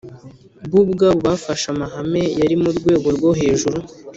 bo ubwabo bafashe amahame yari mu rwego rwo hejuru